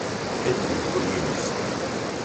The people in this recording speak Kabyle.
Ad d-nelhu yid-s.